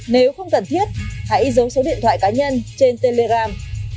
nếu không cần thiết hãy giấu số điện thoại cá nhân trên telegram